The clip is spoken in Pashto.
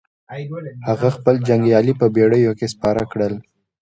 هغه خپل جنګيالي په بېړيو کې سپاره کړل.